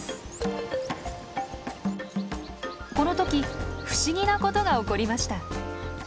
この時不思議なことが起こりました。